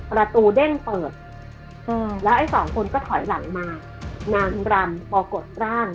ประตูเด้งเปิดแล้วไอ้สองคนก็ถอยหลังมานางรำปรากฏร่าง